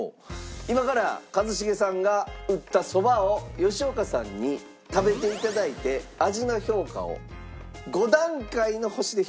今から一茂さんが打ったそばを吉岡さんに食べて頂いて味の評価を５段階の星で評価して頂きます。